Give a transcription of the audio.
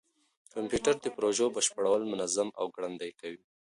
کمپيوټر د پروژو بشپړول منظم او ګړندي کوي.